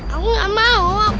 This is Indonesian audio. aku gak mau